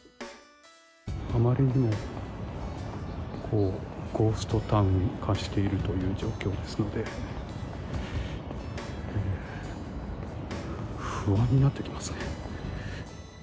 あまりにもゴーストタウン化しているという状況ですので不安になってきますね。